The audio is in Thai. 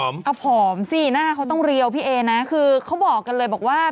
มาแล้วนี่พร้อมสินะเขาต้องเรียวพี่เอนะคือเขาบอกกันเลยบอกว่า